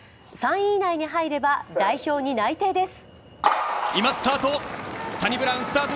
３位以内に入れば代表に内定です。